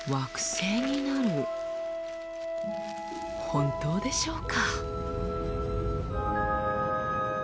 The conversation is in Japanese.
本当でしょうか？